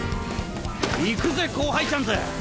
行くぜ後輩ちゃんズ！